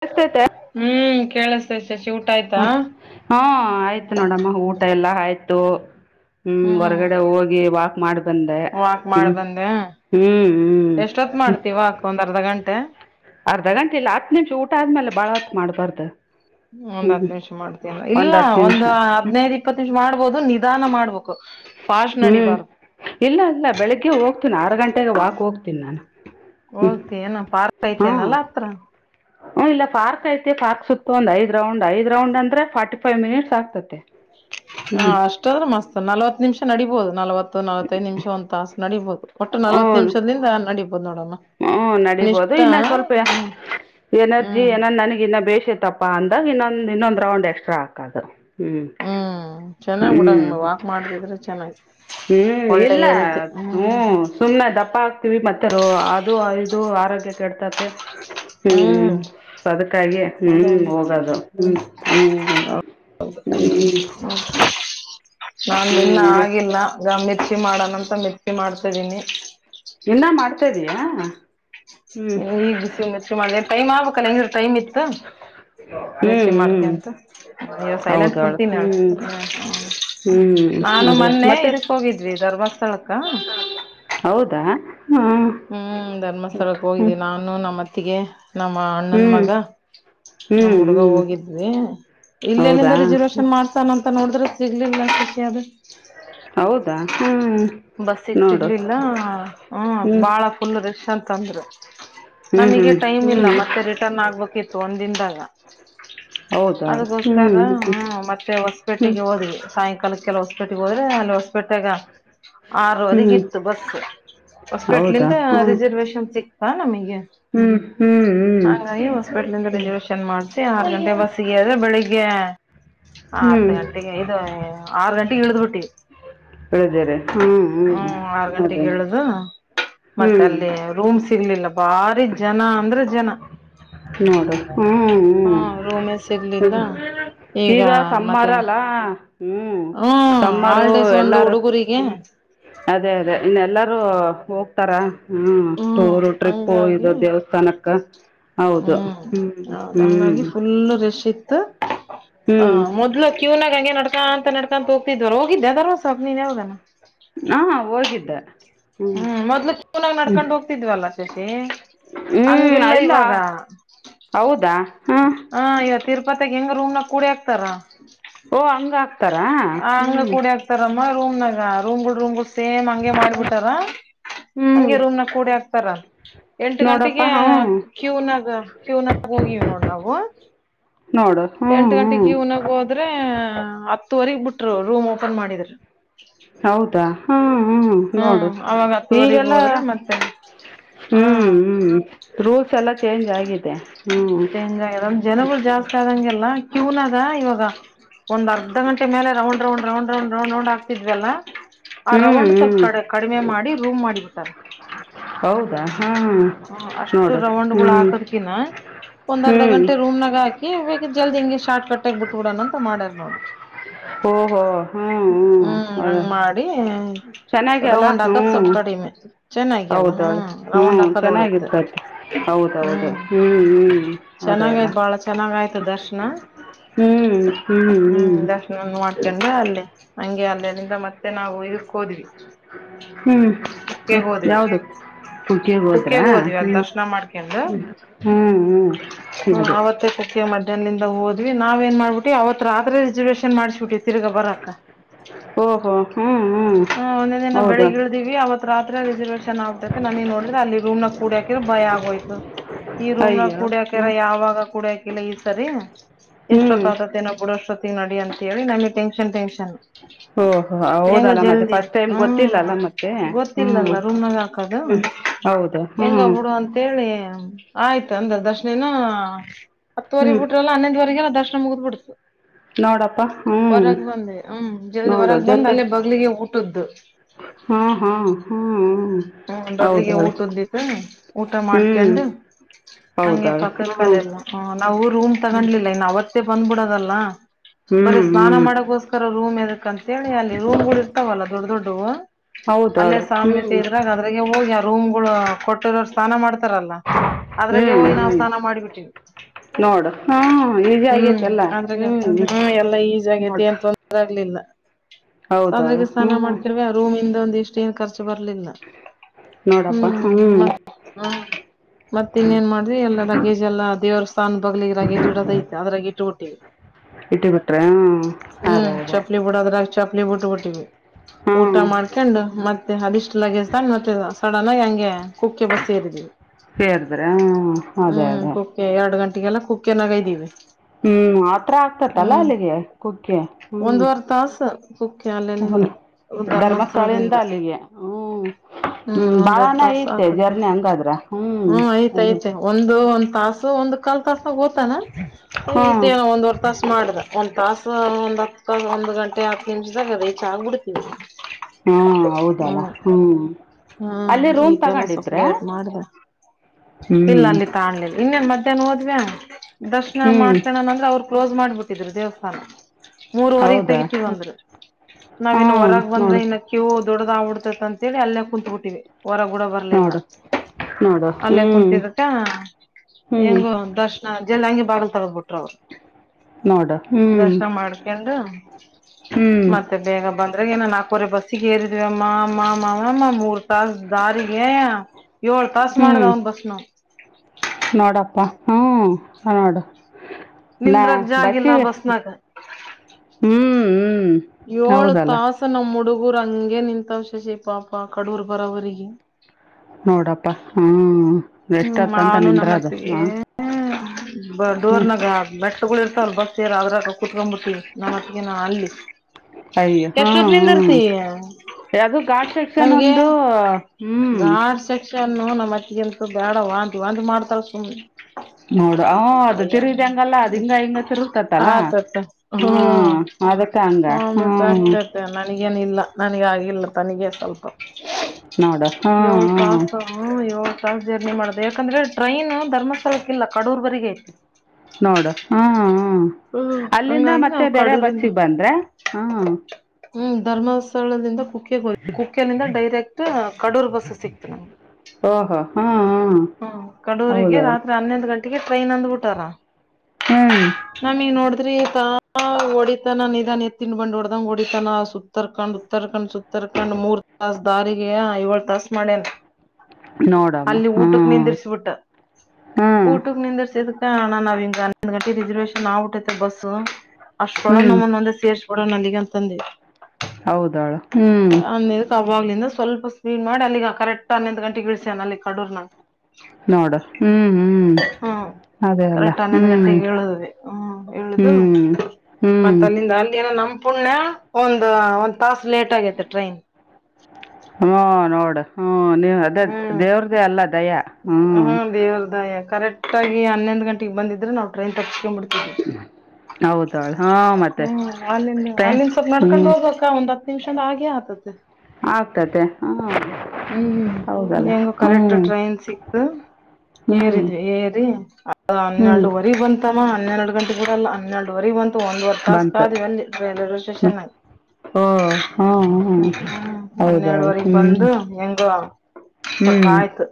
ಕಷ್ಟೇತ [unintelligible] ಕೇಳಿಸ್ತ [inaudible] ಹ ಹಾ ಆಯ್ತು ನೋಡಮ್ಮ ಊಟ ಎಲ್ಲಾ ಆಯ್ ತು ಹ್ಮ್ ಹೊರ್ಗಡೆ ಹೋಗಿ ವಾಕ್ ಮಾಡ್ ವಾಕ್ ಮಾಡ ಬಂದೆ ಹ್ಮ್ ಎಷ್ಟೊತ್ ಹ್ಮ್ ಮಾಡ್ತಿ ವಾಕ್ ಒಂದ್ ಅರ್ಧ ಗಂಟೆ ಅರ್ಧ ಗಂಟೆ ಇಲ ಹತ್ತು ನಿಮಿಷ ಊಟ ಆದ್ಮೇಲೆ ಬಾಳ ಹೊತ್ ಮಾಡ್ ಬರ್ದ ಒಂದ್ ಹತ್ ನಿಮಿಷ ಮಾಡ್ತೀನ ಇಲ್ಲ ಹತ್ತು ನಿಮಿಷ ಒಂದ್ ಹದ್ನೈದು ಇಪ್ಪತ್ತು ನಿಮಿಷ ಮಾಡ್ಬೋದು ನಿಧಾನ ಮಾಡ್ ಬೇಕು ಹ್ಮ್ ಇಲ್ಲ ಇಲ್ಲ ಬೆಳಿಗ್ಗೆ ಹೋಗ್ತೀನಿ ಆರು ಗಂಟೆಗೆ ವಾಕ್ ಹೋಗ್ತೀನಿ ನಾನು ಹ್ಮ್ ಹೋಗ್ತಿಯೇನ ಪಾರ್ಕ್ ಐತೇನಲ್ಲ ಹತ್ರ ಹ್ಮ ಇಲ್ಲ ಪಾರ್ಕ್ ಐತೆ ಪಾರ್ಕ್ ಸುತ್ತ ಒಂದ ಐದ ರೌಂಡ್ ಐ್ ರೌಂಡ್ಂದ್ರೆ ಫಾರ್ಟಿ ಫೈವ್ ಮಿನಿಟ್ ಆಗ್ತತೆ ಹಾ ಹ್ಮ್ ಅಷ್ಟಾದ್ರೂ ಮಸ್ತ್ ನಲ್ವತ್ ನಿಮಿಷ ನಡೀಬೌದು ನಲವತ್ತು ನಲ್ವತ್ತೈದು ನಿಮಿಷ ಒಂದ್ ತಾಸ ನಡೀಬೋದು. ಒಟ್ಟು ನಲವತ್ತು ನಿಮಿಷದಿಂದ ನಡಿ ಹ್ಮ ನಡಬೋದು ಇನ್ನ ಸ್ವಲ್ಪ ಎನರ್ಜಿ ಹ್ಮ್ ಏನ ನನಗ ಇನ್ನ ಬೇಷ ತ್ತಪ್ಪಾ ಅಂದಾಗ ಇನ್ನೊಂದ್ ಇನ್ನೊಂದ್ ರೌಂಡ್ ಎಕ್ಸ್ಟ್ರಾ ಹಾಕದು ಹ್ಮ್ ಹ್ಮ್ ಚೆನ್ನಾಗ್ ಹ್ಮ್ ಉಡಂಗ್ ವಾಕ್ ಮಾಡತಿದ್ರೆ ಚೆನಾಗಿ ಹ್ಮ್ ಇಲ್ಲ ಹ್ಮ್ ಸುಮ್ನೆ ದಪ್ಪ ಹಾಕ್ತಿವಿ ಮತ್ ಅದು ಇದು ಆರೋಗ್ಯ ಕೆಡ್ತತೆ ಹ್ಮ್ ಅದಕ್ಕಾಗಿ ಅದೇ ಹ್ಮ್ ಮತ್ತೆ ಹೋಗದು ಹ್ಮ್ ಹ್ಮ ಹ್ಮ್ ನಮ್ದ್ ಇನ್ನ ಹ್ಮ್ ಆಗಿಲ್ಲ ಗಮಿತ್ ಮಿಕ್ಸಿ ಮಾಡಣಂತ ಮಿಕ್ಸಿ ಮಾಡತಾಯಿದಿನಿ ಇನ್ನ ಮಾಡ್ತಾ ಇದಿಯಾ ಹ ಈಗ್ ಬಿಸಿ [unintelligible] ಟೈಮ್ ಆಗ್ಬೇಕ [unintelligible] ಟೈಮ ಇತ್ ತ್ ಮಿಕ್ಸಿ ಹ್ಮ್ ಮಾಡ್ಕ ಹ್ಮ್ ಅಂತ ಇವ್ ಸೈಲೆಂಟ್ ಹೌದಾಳು ಕುಂತೀನಿ ಹ್ಮ್ ಹ್ಮ್ ನಾನು ಅದೇ ಮೊನ್ನೆ ಮತ್ತೆ ಇದಕ್ ಹೋಗಿದ್ವಿ ದರ್ಬಾರ್ ಸ್ಥಳಕ್ಕ ಹೌದಾ ಹಾಂ ಹ್ಮ್ ಧರ್ಮಸ್ಥಳಕ್ಕೆ ಹ್ಞೂ ಹೋಗಿದಿನಿ ನಾನು ನಮ್ಮತ್ ತಿಗೆ ನಮ್ಮ ಹ್ಞೂ ಅಣ್ಣನ್ ಮಗ ಹ್ಞೂ ನಮ್ಮ ಹುಡ್ಗ ಹ್ಞೂ ಹೋಗಿದ್ವಿ ಹೌದಾ ಇಲ್ಲೆಲ್ಲಿಂದ ರಿಸರ್ವೇಶನ್ ಮಾಡ್ತಾ ನೋಡಿದ್ರೆ ಸಿಗ್ಲಿಲ್ಲ [unintelligible] ಅದು ಹೌದಾ ಹ್ಮ್ ಬಸ್ಸಿ ಈಗ್ ಸಿಗ್ಲಿಲ್ಲ ಹ ಹ್ಞೂ ಬಾಳ ಫುಲ್ ರೆಷ್ ತಂತಂದ್ರ ಹ್ಞೂ ನಮಗೆ ಹ್ಞೂ ಟೈಮ್ ಹ್ಞೂ ಇಲ್ಲ ಮತ್ತೆ ರಿಟರ್ನ್ ಆಗ್ಬೇಕಿತ್ತು ಒಂದಿನದಾಗ ಹೌದಾ ಹ್ಞೂ ಅದಗೋಸ್ಕರ ಹ್ಞೂ ಮತ್ತೆ ಹ್ಞೂ ಹೊಸಪೇಟೆಗೆ ಹೋದ್ವಿ ಸಾಯಂಕಾಲ ಕೆಲ್ [unintelligible] ಟ್ಟಿಗೆ ಹೋದ್ರೆ ಹೊಸಪೇಟೆಗ ಆರು ಹ್ಞೂ ವರಿಗೆ ಇತ್ತು ಬಸ್ ಹೌದಾ ಹೋಸ್ಪಿಲೆಟ್ಳಿಂದ ಹ್ಞೂ ರಿಸರ್ವೇಶನ್ ಸಿಕ್ ಹಾ ನಮಗೆ ಹ್ಞೂ ಹ್ಞೂ ಹ್ಞೂ ಹಾಂಗಾಗಿ ಹಾಸ್ಪಿಟ್ಲಿಂದ ರೆಜರ್ವೇೇಶನ್ ಮಾಡ್ಸ ಆರು ಗಂಟೆ ಬಸ್ಗೆಳ್ದ್ರೆ ಬೆಳಿಗ್ ಹೇ ಹ ಹ್ಞೂ ಹತ್ತ್ ಗಂಟೆಗೆ ಇದು ಆರ್ ಗಂಟ್ ಇಳ್ದು ಬಿಟ್ಟಿ ಇಳಿದಿರಿ ಹ್ಮ್ ಆರ್ ಹ್ಮ ಅದೇ ಗಂಟೆಗೆ ಹೇಳುದು ಹ್ಞೂ ಮತ್ತ ಅಲ್ಲಿ ರೂಮ್ಸ್ ಸಿಗ್ಲಿಲ್ಲ ಭಾರಿ ಜನ ಅಂದ್ರೆ ಜನ ನೋಡು ಹ್ಮ ಹಾ ರೂಮೇ ಹ್ಮ ಸಿಗ್ಲಿಲ್ಲ ಈ ಈಗ ಸಮ್ಮಾರ ಅಲ್ಲ ಹ್ಮ್ ಹ್ಮ್ ಸಮ್ಮಾರು ಹಾಲ್ಡೇಸ್ ಒಂದು ಎಲ್ಲಾರು ಹುಡುಗುರಿಗೆ ಹ್ಮ ಅದೇ ಅದೇ ಇನ್ನ ಎಲ್ಲ ಹೋಗ್ತಾರ ಹ್ಮ್ ಟೂರು ಟ್ರಿಪ್ಪ ಇದು ದೇವಸ್ಥಾನಕ್ಕೆ ಹೌದು ಹ್ಮ್ ಹ್ಮ್ ಹೌದ ಹ್ಮ್ ಹಂಗಾಗಿ ಫುಲ್ ರಶ್ ಹ ಮೊದ್ಲ ಕ್ಯೂನಾಗ ನಡ್ಕಾಂತ ನಡ್ಕೊಂತ ಹೋಗ್ತಿವ ಹೋಗಿದ್ದ ಧರ್ಮಸ್ಥಳಾಕ್ ನಿನ್ ಯಾವಗಾನ ಹಾಂ ಹೋಗಿದ್ದೆ ಹ್ಞೂ ಹ್ಮ್ ಮೊದ್ಲು ಕ್ಯೂನಾಗ್ ನಡ್ಕೊಂಡ್ ಹೋಗ್ತಿದ್ವಲ್ಲ ಸುಶಿ ಹಂಗಿಲ್ಲ ಇಲ್ಲ ಇವಾಗ ಹೌದಾ ಹಾಂ ಹ ಇವ ತಿರ್ ಇಪ್ಪತ್ತಾಗ ಹೆಂಗ ರೂಮ್ ನಾಗ ಕುಡಿ ಆಕ್ತಾರ ಓ ಅಂಗಾಕ್ತರ ಆ ಆಂಗ್ಲೆ ಕೂಡಿ ಆಕ್ತಾರ ರೂಮ ನ ರೂಮಗೂಲ್ ರೂಮ್ ಸೇಮ್ ಅಂಗೇ ಮಾಡ್ಬಿಟಾರ ಹ್ಞೂ ಹಂಗೆ ರೂಮ್ ನಾಗ ಕೂಡಿ ಹಾಕ್ತಾರ ಎಂಟು ನೋಡಪ್ಪ ಗಂಟೆಗೆ ಹ್ಞೂ ಕ್ಯೂನಾಗ ಕ್ಯೂನಾಗ ಹೋಗಿವ ನೋಡ್ ನಾವು ವೊ ನೋಡು ಹ್ಞೂ ಎಂಟ ಗಂಟೆೆಗೆ ಹ್ಞೂ ಕ್ಯೂನಾಗ್ ಹೋದ್ರೆ ಹತ್ತು ತೋರಿಗ್ ಬಿಟ್ರು ರೂಮ್ ಓಪನ್ ಮಾಡಿದ್ರು ಹೌದಾ ಹ್ಮ್ ಹ್ಮ್ ನೋಡು ಅವಾಗ ಹತ್ತುವರೆಗ್ ಈಗೆಲ್ಲಾ ಹೋದ್ರೆ ಮತ್ತೆ ಹಾ ಹ್ಮ್ ಹ್ಮ್ ರೂಲ್ಸ್ ಎಲ್ಲಾ ಚೇಂಜ್ ಆಗಿದೆ ಹ್ಮ್ ಚೇಂಜ್ ಆಗ್ಯದ ಜನಗಳು ಜಾಸ್ತಿ ಆದಂಗೆಲ್ಲ ಕ್ಯೂನಾಗ ಇವಾಗ ಒಂದ್ ಅರ್ಧ ಗಂಟೆ ಮೇಲೆ round round round round round ಆತಿದ್ವಲ್ಲ ಆ ಹ್ಞೂ ರೌಂಡ್ ಸೌಲ್ಪ ಹ್ಞೂ ಕಡಿ ಕಡಿಮೆ ಮಾಡಿ ರೂಮ್ ಮಾಡಿಬಿಟ್ಟಾರ. ಹೌದಾ ಹಾಂ ಹ ಅಷ್ಟು ನೋಡು ಹ್ಞೂ ರೌಂಡ್ಗಳು ಹಾಕದ್ಕಿನ ಒಂದ್ ಹ್ಞೂ ಅರ್ಧ ಗಂಟೆ ರೂಮ್ನಾಗ ಹಾಕಿ ಈಗ ಜಲ್ದಿ ಹಿಂಗೆ ಶಾರ್ಟ್ ಕಟ್ ಆಗ ಬಿಟ್ಬಿಡೋಣನ್ ತ ಮಾಡ್ಯಾರ್ ನೋಡ್ ಓಹೋ ಹ್ಞೂ ಹ್ಞೂ ಹ್ಮ್ ಅದ ಹಂಗ್ ಮಾಡಿ ಚೆನ್ನಾಗಿ ಅಲ್ಲ ರೌಂಡ್ ಹ್ಞೂ ಹಾಕದ ಸೊಪ್ ಕಡಿಮೆ ಚೆನ್ನಾಗಿಯಲ್ಲ ಹ್ಮ್ ರೌಂಡ್ ಹಾಕ್ ಚೆನ್ನಾಗಿತ್ತದ್ ಹೌದೌದು ಹ್ಮ್ ಹ್ಮ್ ಅದೆ ಅಲ್ಲ ಚೆನ್ನಾಗಯ್ತ್ ಬಾಳ ಚೆನ್ನಾಗ ಆಯ್ತು ದರ್ಶನ ಹ್ಮ್ ಹ್ಮ್ ಹ್ಮ್ ಚೆಂದ ಅಲ್ಲೇ ಹಂಗೆ ಅಲ್ ದೇನಿದ ಮತ್ ಮತ್ತೆ ನಾವು ಇದುಕ್ ಹೋದ್ವಿ. ಹ್ಮ್ ಯಾ ಕುಕ್ಕೆಗ್ ಹೋದ್ವಿ ಯಾವ್ದು [unintelligible] ಕುಕ್ಕೆಗ್ ಹೋದ್ವಿ ಅಲ್ ದರ್ಶನ ಮಾಡ್ಕ್ಯಂದು ಹ್ಞೂ ಹ್ಞೂ ಹ ಅದೇ ಅವತ್ತೇ ಕುಕ್ಕೆ ಮ ಅಲ್ಲಿಂದ ಹೋದ್ವಿ ನಾವ್ ಏನ್ ಮಾಡ್ಬಿಟ್ಟಿವ್ ಅವತ್ ರಾತ್ರೆ ರಿಸರ್ವೇಷನ್ ಮಾಡಿಸ್ಬಿಟ್ಟಿ ತಿರ್ಗಾ ಬರಾಕ. ಓಹೋ ಹ್ಞೂ ಹ್ಞೂ ಹಾ ಒಂದೇ ದಿನ ಹೌದಾ ಬೆಳಿಗ್ ಇಳ್ದಿವಿ ಅವತ್ ರಾತ್ರಿ ರಿಸರ್ವೇಶನ್ ಆಗ್ಬುಟೈತೆ ನಮಿಗ್ ನೋಡಿದ್ರೆ ಅಲ್ಲಿ ಕುಡ್ಯಕಿರೋ ಭಯ ಆಗೋಯ್ತು. ಈ ರೂಮ್ ನಾಗ ಅಯ್ಯೋ ಕುಡಿಯಕ್ಯರ ಹ್ಞೂ ಯಾವಾಗ ಕುಡಿಯಾಕ್ ಇಲ್ಲ ಈ ಸರಿ ಎಷ್ಟೊತ್ ಹ್ಞೂ ಆತತೇನು ಬುಡಷ್ಟೋ ನಡಿ ಅಂತ ಹೇಳಿ ನನಿಗ್ ಟೆನ್ಷನ್ ಟೆನ್ಷನ್ನು. ಓಹೋ ಹೌದಲ್ಲ ಮತ್ತೆ ಫಸ್ಟ್ ಟೈಮ್ ಹ್ಮ್ ಗೊತ್ತಿಲ್ಲಲ್ಲ ಮತ್ತೆ ಹ್ಮ ಗೊತ್ತಿಲ್ಲಲ್ಲ ಹ ಹೌದು ಹೆಂಗೊ ಹ್ಮ್ ಬಿಡು ಅಂತೇಳಿ ಆ ಆಯ್ತು ಅಂದ್ ದರ್ಶಣೆನು ಹತ್ತುವರೆಗ್ ಹ್ಮ್ ಬಿಟ್ರಲ್ಲ ಹನ್ನೊಂದುವರೆಗೆಲ್ಲ ದರ್ಶ್ ಮುಗ್ ಬಿಡ್ತು ನೋಡಪ್ಪ ಹ್ಮ್ ಹೊರಗೆ ಬಂದೆ ಹ್ಮ್ ಜಲ್ದಿ ನೋಡು ಹೊರಗೆ ಬಂದ ಜೊತೆ ಅಲ್ಲೇ ಬಗ್ಲಿಗೆ ಟ್ಟೊದ್ದು ಹಾ ಹಾ ಹ್ಮ್ ಹ್ಮ ಡಗ್ಲಿಗೆ ಹೌದಾಳು ಊಟ ಉದ್ದಿತ್ತು ಊಟ ಹ್ಮ್ ಮಾಡ್ಕಂಡ್ ಹೌದಾಳು ಪಕ್ಕ ಹ್ಮ್ ಕಾಲೆಲ್ಲ ಹ ನಾವು ರೂಮ್ ತಗೊಂಡ್ಲಿಲ್ಲ ಹೊತ್ತೆ ಬಂದ್ಬಿಡದಲ್ಲ ಬರೀ ಹ್ಮ್ ಸ್ನಾನ ಹ್ಮ್ ಮಾಡಕೋಸ್ಕರ ರೂಮ್ದಕ್ಕೆಂತ ಹೇಳಿ ಅಲ್ಲಿ ರೂಮ್ ಗಳು ಇರ್ತಾವಲ್ಲ ದೊಡ್ಡ ದೊಡ್ಡ [unintelligible] ಹೌದಾಳ ಅದ್ರಗೆ ಹೋಗಿ ರೂಮ್ ಗಳು ಕೊಟ್ಟಿರೋರು ಸ್ನಾನ ಮಾಡ್ತ ಲ್ಲ ಆದದ್ರಾಗ ಹ್ಮ್ ಹೋಗಿ ನಾವು ಹ್ಮ್ ಸ್ನಾನ ಮಾಡಿಬಿಟ್ಟಿವಿ ನೋಡು ಹಾ ಈಸಿ ಹ್ಮ್ ಆಗೇತಿ ಎಲ್ಲ ಆದ್ರಗೆ ಅಂತ ಹ್ಮ್ ಹ್ಮ ಎಲ್ಲ ಈಜಾಗೈತಿ ಎಂತ ತೊಂದರಿ ಆಗ್ಲಿಲ್ಲ ಹೌದಾಳು ಆದ್ರಿಗೆ ಸ್ನಾನ ಹ್ಮ್ ಮಾಡ್ತಿಲ್ವ ರೂಮಂದ ಒಂದ ಇಷ್ಟ ಏನ್ ಖರ್ಚ ಬರ್ಲಿಲ್ಲ ಹ್ಮ್ ಮ ಮತ್ತ ಇನ್ನೇನ್ ಮಾಡ್ರಿ ಎಲ್ಲ ಲಗೇಜ್ ಎಲ್ಲ ದೇವ್ಸ್ ಸ್ಥಾನ್ ಬಗ್ಲಿಗ್ ಲಗೇಜಿಡದೈತಿ ಅದ್ರಗಿಟ್ಬಿಟ್ ಟ್ಟಿ ಇಟ್ಟಿ ಬಿಟ್ರೆ ಹ್ಮ್ ಅದೇ ಅದೇ ಚಪ್ಲಿ ಬಿಡೋದ್ರಾಗ ಚಪ್ಲಿ ಬುಟ್ ಬುಟ್ಟಿವಿ. ಊಟ ಹ್ಮ್ ಮಾಡ್ಕ್ಯಂಡು ಮ ತ್ತೆ ಹರೀಶ್ಲ್ ತನ್ ಮತ್ತಿದವ ಸಣ್ ದನ ಹೆಂಗೆ? ಕುಕ್ಕೆ ಬಸ್ ಏರಿದ್ದೀವಿ ಸೇರಿದ್ರೆ ಹ್ಮ್ ಅದೇ ಹ್ಮ್ ಅದೇ ಕುಕ್ಕೆ ಎರಡು ಗನ್ ಈಗೆಲ್ಲ ಕುಕ್ಕೆನಾಗ ಇದಿವಿ. ಹ್ಮ್ ಹತ್ರ ಆಗ್ತತ್ತಲ್ಲ ಅಲ್ಲಿಗೆ ಕುಕ್ಕೆ ಹ್ಮ್ ಒಂದ್ವರ್ ತಾಸ ಕುಕ್ಕೆ ಒ ಅಲ್ಲೆಲ್ಲಿಂದ ಧರ್ಮಸ್ಥಳಿಂದ ಧರ್ಮಸ್ಥಳದಿಂದ ಅಲ್ಲಿಗೆ ಹ್ಮ್. ಹ್ಮ್ ಒಂದ್ವರ್ ಭಾಳಾನ ತಾಸು ಐತೆ ಆಕತ್ತೆ ಜರ್ನಿ ಹಂಗಾದ್ರೆ ಹ್ಮ್ ಆಯ್ತೈತೆ ಒಂದು ಒಂದ್ ತಾಸು ಒಂದು ಕಲ್ ತಸ್ ಗೊತ್ತಾನ ಈತ ಹ್ಮ್ ಎನೋ ಒಂದ್ವರ್ ತಾಸ್ ಮಾಡ್ದ ಒಂದ್ ತಾಸ್ ಒಂದ ಹತ್ತ ಒಂದ ಗಂಟೆ ಹತ್ತು ನಿಮಿಷದಾಗದ ರೀಚಾಗ್ ಬಿಡ್ತಿವಿ. ಹಾ ಹೌದಲ್ಲ ಹ್ಮ್ ಹ್ಮ್ ಅಲ್ಲಿ ಈ ರೂಮ್ ದಿನ ಸ್ವಪ ತಗೊಂಡಿದ್ರೆ ಲೇಟ್ ಮಾಡ್ದ ಇಲ್ಲ ಹ್ಮ್ ಅಲ್ಲಿ ತಾಣ್ಲಿಲ್ ನಿನ್ನೆ ಮಧ್ಯಾಹ್ನ ಹೋದ್ವ್ಯ. ದರ್ಶನ ಹ್ಮ್ ಮಾಡ್ತನಣ ಅಂದ್ರೆ ಅವ್ರ್ ಕ್ಲೋಸ್ ಮಾಡ್ಬಿಟ್ಟಿದ್ರು ದೇವಸ್ಥಾನ. ಮೂರವರೆಗೆ ಹೌದಾ ತೇಗಿತಿವಿ ಅಂದ್ರು ನಾವಿನ್ನು ಹಾಂ ಹೊರಗ ಬಂದ್ರೆ ನೋಡು ಇನ್ನು ಕ್ಯೂ ದೊಡ್ದಾಗ್ಬಿಡ್ತೈತಂತ್ ಹೇಳಿ ಅಲ್ಲೇ ಕುಂತ್ ಬಿಟ್ಟಿವಿ. ಹೊರ ಕೂಡ ಬರ್ಲಿಲ್ಲ ನೋಡು ನೋಡು ಅಲ್ಲೇ ಹ್ಮ್ ಕುಂತಿದಕ್ಕ ಹ್ಮ್ ಹೆಂಗೋ ದರ್ಶನ ಜಲ್ದ್ ಹಂಗೆ ಬಾಗಲ್ ತೆಗೆದ್ ಬುಟ್ರವ್ರ್ ನೋಡು ಹ್ಮ್ ದರ್ಶನ ಮಾಡ್ಕ್ಯಂಡು ಹ್ಮ್ ಮತ್ತೆ ಬೇಗ ಬಂದ್ರಾಗ್ ಏನ ನಾಲ್ಕವರೆ ಬಸ್ಸಿಗೆಗೇರಿದ್ವ ಅಮ್ಮ ಅಮ್ಮಾ ಮಾ ಹ ಮ ಮೂರ್ ತಾಸ್ ದಾರಿನೆ ಏಳ್ ತಾಸು ಮಾಡ್ದ ಹ್ಮ್ ಅವ್ನ್ ಬಸ್ನವ್ ನೋಡಪ್ಪ ಹ್ಮ್ ಹ್ ನೋಡು ನಾ ನಿಂದ್ರಕ್ ಜಾಗಿಲ್ಲ ಬಸಿ ಬಸ್ನಾಗ ಹ್ಮ್ ಹ್ಮ್ ಏಳು ಹೌದಲ್ಲ ತಾಸು ನಮ್ ಮುಡುಗೂರ್ ಹಂಗೆ ನಿಂತಾವ್ರ್ ಶಶಿ ಪಾಪ ಕಡೂರ್ ಬರವರಿಗೆ. ನೋಡಪ್ಪಾ ಹ್ಮ್ ಹ್ಮ್ ಎಷ್ಟತ್ತಂತ ನಿಂದ್ರದು ಹ ಬಡೋರ್ ನಗಾ ಬ ಟುಗಳ್ ಇರ್ತಾವಲ್ ಬಸ್ ಸೇರ ಅದ್ರಾಗ ಕುೂತ್ಕೊಂಡ್ಬಿಟ್ಟಿ ನಮ್ಮ್ ಅತ್ತಿಗೆ ನ ಅಲ್ಲಿ. ಅಯ್ಯ ಹಾ ಎಷ್ಟೊತ್ ಹ್ಮ ನಿಂದಿರ್ತಿ ಯದು ಗಾರ್ಡ್ ಸೆಕ್ಷನ್ ನಮ್ಗೆ ಒಂದು ಹ್ಮ್ ನ್ನು ನಮ್ಮತ್ತಿಗೆ ಬೇಡ ವಾಂತಿ ವಾಂತಿ ಮಾಡ್ತಾಳ್ ಸುಮ್ ನೋಡು ಹ್ಞೂ ಅದು ತಿರುಗಿದಂಗಲ್ಲ ಅದು [unintelligible] ಹಿಂಗ ಹಿಂಗ ತಿರುಗ್ತತ್ತಲ್ಲ ಅತ್ ಅತ್ತೆ ಹ್ಮ್ ಅದಕ್ಕೆ ಹಂಗ ಹ್ಮ್ [unintelligible] ನನಿಗೇನಿಲ್ಲ. ನನಗ್ ಆಗಿಲ್ಲ ತನಿಗೆ ಸ್ವಲ್ಪ. ನೋಡು ಏಳು ಹ್ಮ್ ಹ್ಮ್ ತಾಸು ಹ್ಮ್ ಯೋಳ್ ಜರ್ನಿ ಮಾಡುದು ಯಾಕಂದ್ರೆ ಟ್ರೈನ್ ಧರ್ಮಸ್ಥಳಕ್ಕ ಇಲ್ಲ ಕಡೂರ್ವರೆಗ್ ಐತಿ. ನೋಡ ಹಾ. ಹ್ಮ ಹ್ಮ್ ಅಲ್ಲಿಂದ ಹಂಗಾಗಿ ಮತ್ತೆ ನಾವು ಬೇರೆ ಕಡೂರಿಂದ ಬಸ್ಸಿಗೆ ಬಂದ್ರೆ ಹ್ಮ ಹ್ಮ್ ಧರ್ಮಸ್ಥಳದಿಂದ ಕುಕ್ಕೆ ಹೋಗ ಕುಕ್ಕೆಲಿಂದ ಡೈರೆಕ್ಟ್ ಕಡೂರ್ ಬಸ್ ಸಿಕ್ತು ನಮಗೆ ಓಹೋ ಹ್ಮ್ ಹ್ಮ್ ಹ ಕಡೂರಿಗೆ ಹೌದೌದು ರಾತ್ರಿ ಹನ್ನೊಂದು ಗಂಟೆ. ಟ್ರೈನ್ ಅಂದ್ಬಿಟಾರಾ ಹ್ಮ್. ಹೊಡಿತಾನ ನಿಧನ್ ಎತ್ತನ್ ಬಂಡ್ ಹೊಡ್ದಂಗ ಹೊಡಿತಾನ ಸುತ್ತಾರ್ಕೊಂಡ್ ಉತ್ತಾರ್ಕಂಡ್ ಸುತ್ತಕಂಡ್ ಮೂರ್ ತಾಸ ದಾರಿಗೆ ಏಳ್ ತಾಸ ಮಾಡ್ಯನ್ ನೋಡಮ್ಮ ಅಲ್ಲಿ ಊಟಕ್ ಹ್ಮ್ ನಿಂದಿರ್ಸಿಬಿಟ್ಟ ಹ್ಮ್ ಊಟಕ್ ನಿಂದಿರ್ಸಿದ ನನ್ನದಿಂಗ ಹಂನ್ದಗಂಟಿಗ್ ರೆಸೆರ್ವಶನ್ ಆಗ್ಬಿತೈತೆ ಬಸ್. ಅಷ್ಟೊಳ ಹ್ಮ್ ನಮ್ಮನ್ನೊಂದ ಸೇರ್ ಕೂಡ ನಲ್ಲಿಗೆ ಅಂತಂದ್ವಿ. ಹೌದ್ ಹೇಳು. ಅನ್ನದಕ್ಕೆ ಅವಾವಾಗ್ಲಿಂದ ಸ್ವಲ್ಪ ಸ್ಪೀಡ್ ಮಾಡಿ ಅಲ್ಲಿಗ ಕರೆಕ್ಟ್ ಹನ್ನೊಂದು ಗಂಟೆ ಗಿಳಸ ಅಲ್ಲಿ ಕಡೂರ್ನ ನೋಡ್ ಹ್ಮ್ ಹ್ಮ್ ಹ್ಮ ಅದೇ ಅಲ್ಲ ಕರೆಕ್ಟ್ ಹನ್ನೊಂದ್ ಹ್ಮ್ ಗಂಟೆಗೆ ಹಿಳಿದ್ವಿ ಹ್ಮ್ ಹೇಳುದು ಹ್ಮ್ ಮತ್ತ ಹ್ಮ್ ಅಲ್ಲಿಂದ ಅಲ್ಲಿ ಏನ ನಮ ಪುಣ್ಯ ಒಂದ ಒಂದ್ ತಾಸ ಲೇಟ್ ಆಗೈತೆ ಟ್ರೈನ್ ಹ್ಮ ನೋಡ ಹ್ಮ ಹ್ಮ ನೀವ್ ಅದೇ ಹ್ಮ್ ದೇವ್ರ್ದೇ ಅಲ್ಲ ದಯಾ ಹ್ಮ್ ಹಟ್ಟಾಗಿ ಹನ್ನೊಂದು ಗಂಟೆಗೆ ಬಂದಿದ್ರೆ ನಾವುಟ್ರೈನ್ ತಪುಸ್ಕಂಡ್ ಬಿಡ್ ಹೌದಾಳು ಹಾಂ ಮತ್ತೆ ಹ್ಮ್ ಅಲ್ಲಿ ಟೈಮ್ ಅಲ್ಲಿಂದ ಸ್ವಲ್ ಹ್ಞೂ ನಡ್ಕೊಂಡು ಹೋಗ್ಬೇಕಾ ಒಂದ್ ಹತ್ತು ಟೆನ್ಶನ್ ಆಗೆ ಆತತೆ ಆಗ್ತದೆ ಹ ಹ್ಮ್ ಹೆಂಗು ಕರೆಕ್ಟ್ ಟ್ರೈನ್ ಸಿಕ್ ಹ್ಞೂ ಏರಿದ್ವಿ ಏರಿ ಹ್ಞೂ ಹನ್ನೆರಡುುವರಿ ಬಂದ್ ಹನ್ನೆರಡು ಗಟೆ ಕೂಡ ಅಲ್ಲ ಹನ್ನೆರಡುವರೆ ಓ. [unintelligible] ಒಂದ್ವರೆ ತಾಸ ಬಂತು ಕದ್ವಿ ರೈಲ್ವೆ ಸ್ಟೇಷನ್ಗ ಓ ಹಾಂ ಹ್ಞೂ ಹ್ಮ ಹೌದಾಳು ಹನ್ನೆರಡುವರೆಗ ಹ್ಞೂ ಬಂದು. ಹೆಂಗೊ ಹ್ಞೂ ಸ್ವಲ್ಪ ಆಯ್ತು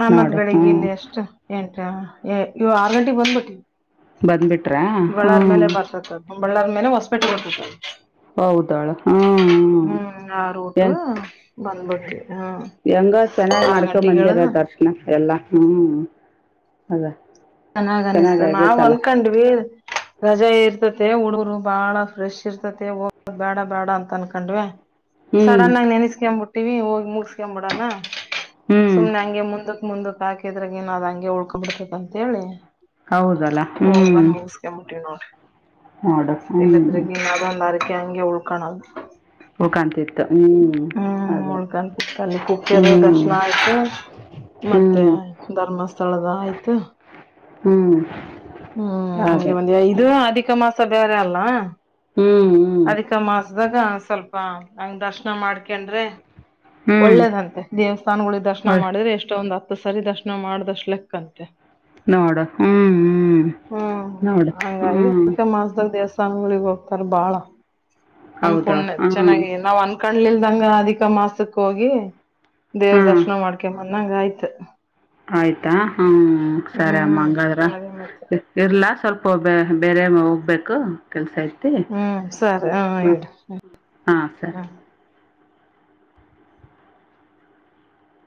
ಹಾ ಮತ್ ನೋಡು ಹ್ಞೂ ಬೆಳಿಗ್ಗೆ ಇಲ್ಲಿ ಎಷ್ಟು ಎಂಟ. ಏ ಆರು ಗಂಟೆಗ್ ಬಂದ್ಬಿಟ್ಟವಿ. ಬಂದ್ಬಿಟ್ರ ಹಾ. ಬಳ್ಳಾರ ಮೇಲೆ ಹೊಸಪೇಟೆಗೆ ಹೋತಾತ ಹೌದಾಳ ಹ್ಮ. ಆ ರೂಟ್ ಬಂದ್ಬಿಟ್ವಿ ಹ್ಮ್ ಹೆಂಗ ಚೆನ್ನಾಗಿ ಆರ್ ಮಾಡ್ಕೊ ಗಂಟೆಗೆ ಮಂದಿರ ಹೇಳದು ದರ್ಶನ ಎಲ್ಲಾ ಹ್ಮ್. ಹೌದಾ. ಚೆನ್ನಾಗ ಅನಿಸ್ತು ನಾವ್ ಅಂದಕೊಂಡ್ವೀ. ರಜಾ ಇರ್ತತೆ ಹುಡುಗರು ಬಾಳ ಫ್ರೆಶ್ ಇರ್ತತೆ ಹೋಗ ಬೇಡ ಬೇಡ ಅಂತ ಅನ್ಕಂಡ್ವ. ಹ್ಮ್ ಸಡನ್ ಆಗ ನೆನ್ಸ್ಕಂಬ್ಬಿಟ್ಟು. ಟ್ವಿ ಹೋಗಿ ಮುಗಸ್ಕೊಬಿಡಣ. ಹ್ಮ್ ಸುಮ್ನೆ ಹಂಗೆ ಮುಂದಕ್ ಮುಂದಕ್. ಹಾಕಿದ್ರೆ ಇನು ಅದ ಹಂಗೆ ಉಳ್ಕೊಬಿಡತೈತ. ಹೇಳಿ. ಹೌದಲ್ಲ ಹ್ಮ್. ನೋಡ್ರಿ. ನೋಡು ಹ್ಮ್. ಹೆಂಗೆ ಉಳ್ಕಣ. ಉಳ್ಕಂತಿತ್ತು ಹ್ಮ್ ಹ್ಮ್ ಅದೇ ಉಳ್ಕತ್ ಕುಕ್ಕ ಅಲ್ಲಿ ಕುಕ್ಕೆದ ದರ್ಶನ ಹ್ಮ್ ಆಯ್ತು ಮತ್ತೆ ಹ್ಮ್ ಧರ್ಮಸ್ಥಳದ ಆಯ್ತು. ಹ್ಮ್ ಹ್ಮ್ ಅಗೆ ಅದೇ ಒಂದ ಇದು ಅಧಿಕ. ಮಾಸ ಬೇರೆ ಅಲ್ಲ. ಹ್ಮ್ ಹ್ಮ್. ಆಗ ಸ್ವಲ್ಪ ನಂಗ ದರ್ಶನ ಮಾಡ್ಕೊಂಡ್ರೆ. ಹ್ಮ್ ಒಳ್ಳೇದಂತೆ ದೇವಸ್ಥಾನಗಳಿಗೆ ದರ್ಶನ ಹೊಳ್ ಮಾಡಿದ್ರೆ ಎಷ್ಟೊಂದ. ಸರಿದರ್ಶನ ಮಾಡ್ದಷ್ಟು ಲೆಕ್ಕಂತೆ. ನೋಡು ಹ್ಮ್ ಹ್ಮ್ ಹ್ಮ್ ನೋಡ ಹ್ಮ್. [unintelligible] ಹೋಗ್ತಾರೆ ಬಾಳ ಹೌದಾ ನಂಬಕೊಂಡ ಹ್ಮ್ ಚೆನ್ನಾಗಿ ನಾವ್ ಅನ್ ಕಲಿಲ್ದಂಗ ಅಧಿಕ ಮಾಸಕ್ ಹೋಗಿ ದೇವ್ರ ಹ್ಮ್ ದರ್ಶನ ಮಾಡ್ಕೊಂಡ ಬಂದ್ ಚೆನ್ನಾಗ ಆಯ್ತ್. ಆಯ್ತಾ ಹಾ. ಹ್ಮ ಸರಿ ಅಮ್ಮ ಹ್ಮ್ ಹಂಗಾದ್ರ ಅದೇ ಮತ್ತೆ ಇರ್ಲಾ ಸ್ವಲ್ಪ ಬೇರೆ ಹೋಗ್ಬೇಕು ಕೆಲ್ಸ ಆಯ್ತಿು ಹ್ಮ್ ಸರಿ ಹ ಇಡ ಹಾಂ ಹಾ ಸರಿ